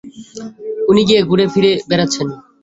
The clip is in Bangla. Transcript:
উনি গিয়ে ঘুরে ফিরে বেড়াচ্ছেন।